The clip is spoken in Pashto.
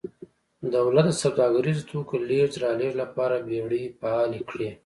دولت د سوداګریزو توکو لېږد رالېږد لپاره بېړۍ فعالې کړې